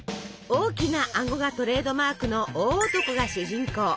大きな顎がトレードマークの大男が主人公。